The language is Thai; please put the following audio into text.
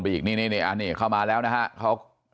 ไปอีกเข้ามาแล้วนะฮะ